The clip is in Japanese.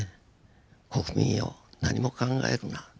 国民よ何も考えるな。